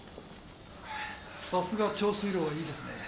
さすが長水路はいいですね。